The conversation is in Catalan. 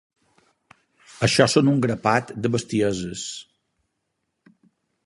Això són un grapat de bestieses.